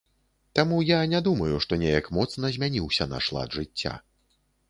Таму я не думаю, што неяк моцна змяніўся наш лад жыцця.